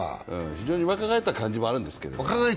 非常に若返った感じもあるんですけど。